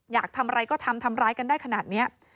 อยากทำอะไรก็ทำทำร้ายกันได้ขนาดนี้